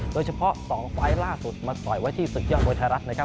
โดยเฉพาะ๒ไฟล์ล่าสุดมาต่อยไว้ที่ศึกยอดมวยไทยรัฐนะครับ